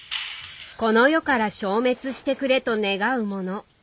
この世から消滅してくれと願うもの。